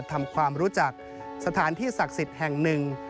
ทำความรู้จักสถานที่ศักดิ์สิทธิ์แห่งหนึ่ง